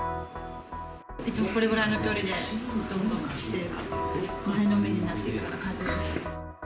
いつもこれぐらいの距離で、どんどん姿勢が前のめりになっていくような感じです。